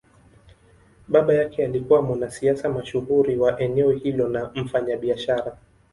Baba yake alikuwa mwanasiasa mashuhuri wa eneo hilo na mfanyabiashara.